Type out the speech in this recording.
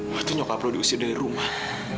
waktu nyokap lo diusir dari rumah